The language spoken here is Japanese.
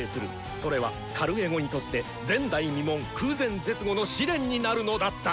それはカルエゴにとって前代未聞空前絶後の試練になるのだった！